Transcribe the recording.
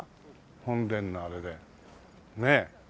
本殿のあれでねえ。